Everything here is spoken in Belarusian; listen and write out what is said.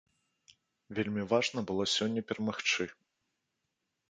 Вельмі важна было сёння перамагчы.